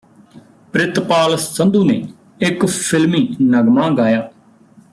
ਪ੍ਰਿਤਪਾਲ ਸੰਧੂ ਨੇ ਇਕ ਫਿਲਮੀ ਨਗ਼ਮਾ ਗਾਇਆ